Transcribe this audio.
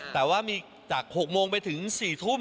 แต่ว่ามีจาก๖โมงไปถึง๔ทุ่ม